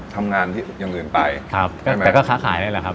ทำงานที่อย่างอื่นไปครับใช่ไหมแต่ก็ค้าขายนี่แหละครับ